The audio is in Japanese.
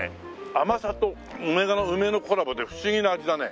甘さと梅のコラボで不思議な味だね。